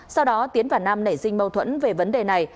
sau đó tiến và nam nảy sinh mâu thuẫn về vấn đề này